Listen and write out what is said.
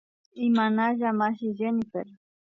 Imanalla mashi Jenyfer